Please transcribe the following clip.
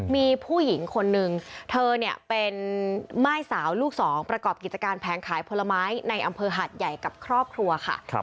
มีผู้หญิงคนนึงเธอเนี่ยเป็นม่ายสาวลูกสองประกอบกิจการแผงขายผลไม้ในอำเภอหาดใหญ่กับครอบครัวค่ะ